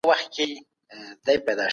اوولس تر شپاړسو ډېر دي.